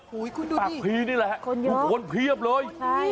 ปากภีร์นี่แหละภูมิโพรนเพี้ยบเลย